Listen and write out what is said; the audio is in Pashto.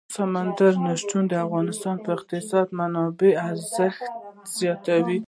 سمندر نه شتون د افغانستان د اقتصادي منابعو ارزښت زیاتوي.